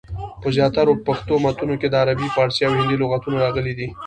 په زیاترو پښتو متونو کي دعربي، پاړسي، او هندي لغتونه راغلي دي.